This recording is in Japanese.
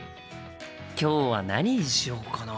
今日は何にしようかな？